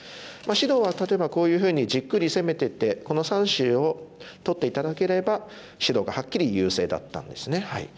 白は例えばこういうふうにじっくり攻めててこの３子を取って頂ければ白がはっきり優勢だったんですね。